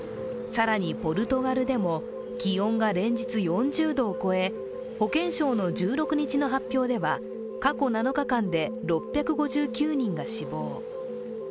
更に、ポルトガルでも気温が連日４０度を超え、保健省の１６日の発表では、過去７日間で６５９人が死亡。